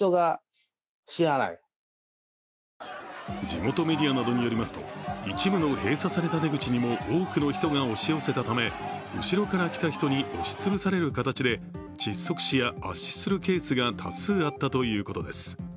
地元メディアなどによりますと、一部の閉鎖された出口にも多くの人が押し寄せたため後ろから来た人に押し潰される形で、窒息死や圧死するケースがあったということです。